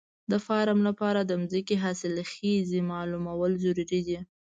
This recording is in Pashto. د فارم لپاره د ځمکې حاصلخېزي معلومول ضروري دي.